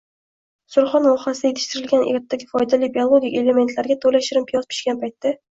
Surxon vohasida yetishtirilgan ertaki, foydali biologik elementlarga to‘la shirin piyoz pishgan paytda